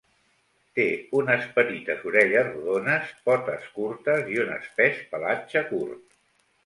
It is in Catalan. Té unes petites orelles rodones, potes curtes i un espès pelatge curt.